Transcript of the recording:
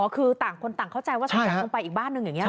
คือต่างคนต่างเข้าใจว่าสงสัยคงไปอีกบ้านหนึ่งอย่างนี้ห